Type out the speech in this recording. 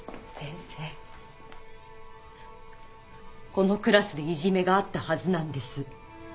このクラスでいじめがあったはずなんです。